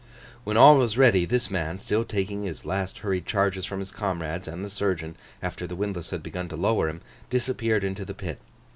When all was ready, this man, still taking his last hurried charges from his comrades and the surgeon after the windlass had begun to lower him, disappeared into the pit.